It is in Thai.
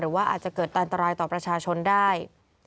ว่าอาจจะเกิดอันตรายต่อประชาชนได้